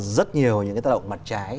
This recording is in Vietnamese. rất nhiều những cái tác động mặt trái